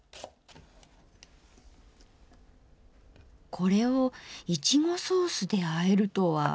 これをいちごソースであえるとは。